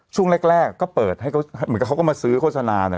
ช่วงแรกก็เปิดเหมือนเขาก็มาซื้อโฆษณา